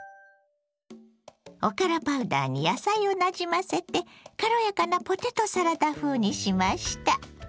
おからパウダーに野菜をなじませて軽やかなポテトサラダ風にしました。